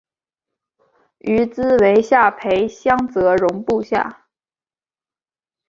于兹为下邳相笮融部下。